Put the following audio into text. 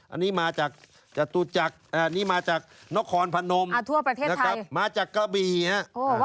อันนี้มาจากจตุจักรอันนี้มาจากนกคอนพะนมมาจากกะบี่นะครับ